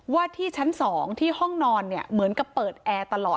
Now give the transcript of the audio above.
ว่าที่ชั้น๒ที่ห้องนอนเนี่ยเหมือนกับเปิดแอร์ตลอด